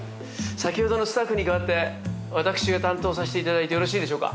先ほどのスタッフに代わって私が担当させていただいてよろしいでしょうか？